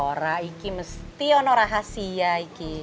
orang ini pasti ada rahasia ini